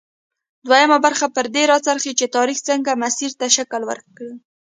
دویمه برخه پر دې راڅرخي چې تاریخ څنګه مسیر ته شکل ورکړ.